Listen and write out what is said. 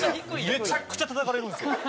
めちゃくちゃたたかれるんですよ。